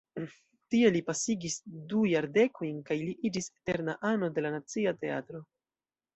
Tie li pasigis du jardekojn kaj li iĝis eterna ano de la Nacia Teatro.